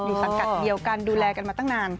สังกัดเดียวกันดูแลกันมาตั้งนาน